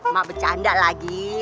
ma bercanda lagi